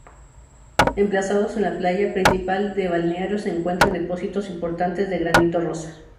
Emplazados en la playa principal del Balneario se encuentran depósitos importantes de Granito Rosa.